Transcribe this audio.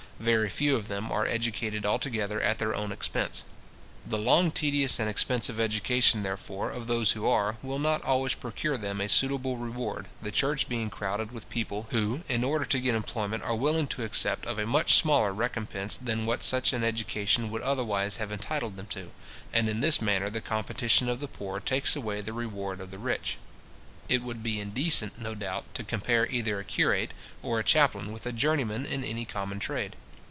Very few of them are educated altogether at their own expense. The long, tedious, and expensive education, therefore, of those who are, will not always procure them a suitable reward, the church being crowded with people, who, in order to get employment, are willing to accept of a much smaller recompence than what such an education would otherwise have entitled them to; and in this manner the competition of the poor takes away the reward of the rich. It would be indecent, no doubt, to compare either a curate or a chaplain with a journeyman in any common trade.